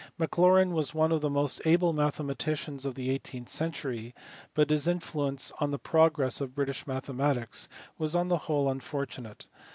Maclaurin was one of the most able mathematicians of the eighteenth century, but his influence on the progress of British mathematics was on the whole unfortunate.